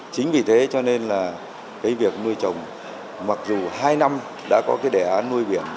chính vì thế cho nên là cái việc nuôi trồng mặc dù hai năm đã có cái đề án nuôi biển